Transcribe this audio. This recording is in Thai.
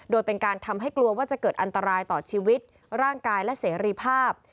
โดยเป็นการทำให้กลัวว่าจะเกิดอันตรายต่อชีวิตร่างกายและเสรีภาพ